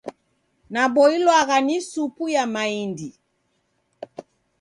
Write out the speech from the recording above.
Naboilwagha ni supu ya maindi.